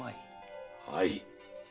はい。